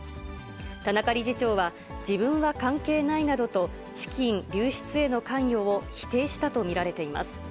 田中理事長は、自分は関係ないなどと資金流出への関与を否定したと見られています。